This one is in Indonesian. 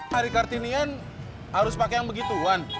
hari kartinian harus pake yang begituan